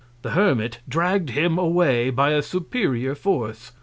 The Hermit dragg'd him away, by a superior Force.